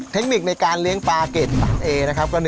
เทคนิคในการเลี้ยงปลาเกรดสารเอนะครับ